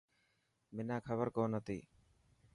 منان کبر ڪون هتي.